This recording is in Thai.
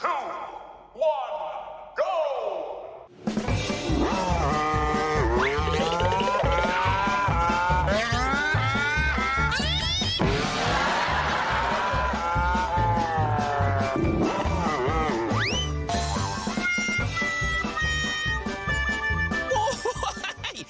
อาร์อาร์อาร์